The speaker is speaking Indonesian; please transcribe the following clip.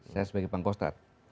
saya sebagai pengkostrad